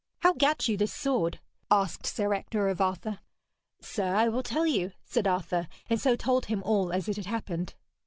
'How gat you this sword?' asked Sir Ector of Arthur. 'Sir, I will tell you,' said Arthur, and so told him all as it had happened.